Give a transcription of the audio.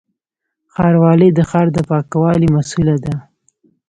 ښاروالي د ښار د پاکوالي مسووله ده